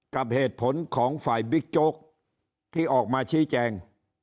กับเหตุผลของฝ่ายบิ๊กโจ๊กที่ออกมาชี้แจง